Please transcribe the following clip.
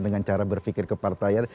dengan cara berpikir kepartaian